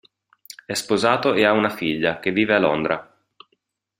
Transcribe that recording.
È sposato e ha una figlia, che vive a Londra.